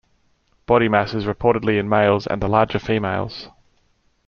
Body mass is reportedly in males and the larger females.